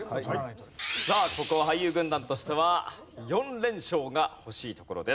さあここは俳優軍団としては４連勝が欲しいところです。